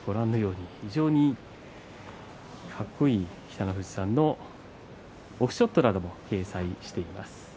非常にかっこいい北の富士さんのオフショットなども掲載しています。